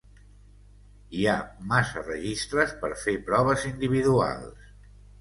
Hi ha massa registres per fer proves individuals.